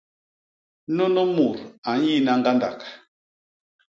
Nunu mut a nyina ñgandak.